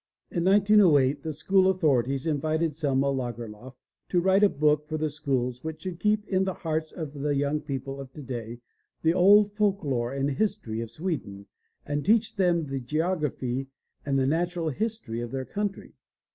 In 1908 the school authorities invited Selma Lagerlof to write a book for the schools which should keep in the hearts of the young people of today the old folk lore and history of Sweden and teach them the geography and the natural history of their country